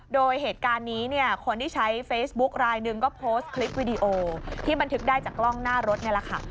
โดยเหตุการณ์นี้เนี่ยคนที่ใช้เฟซบุ๊กรายหนึ่งก็โพสต์คลิปวิดีโอที่บันทึกได้จากกล้องหน้ารถนี่แหละค่ะ